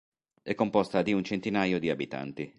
È composta di un centinaio di abitanti.